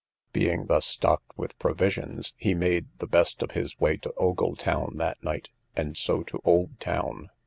Being thus stocked with provisions, he made the best of his way to Ogle town that night, and so to Old town.